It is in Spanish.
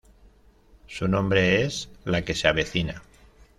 Su nombre es "La que se avecina".